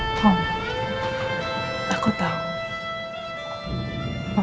aku pong dapat yelleduk